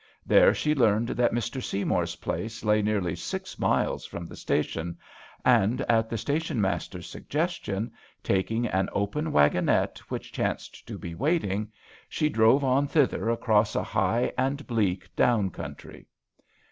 There she learned that Mr. Seymour's place lay nearly six miles from the station, and, at the station master's sug gestion, taking an open waggon ette which chanced to be waiting, she drove on thither across a high and bleak down country.